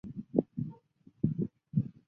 郭泉在香港曾任保良局及东华医院总理。